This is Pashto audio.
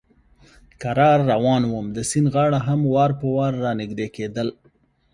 کرار روان ووم، د سیند غاړه هم وار په وار را نږدې کېدل.